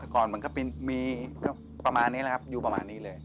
ก่อนมันก็มีก็ประมาณนี้แหละครับอยู่ประมาณนี้เลย